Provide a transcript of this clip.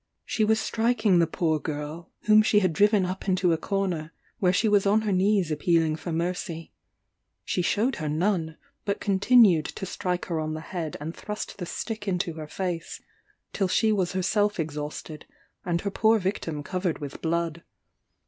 She was striking the poor girl, whom she had driven up into a corner, where she was on her knees appealing for mercy. She shewed her none, but continued to strike her on the head and thrust the stick into her face, till she was herself exhausted, and her poor victim covered with blood.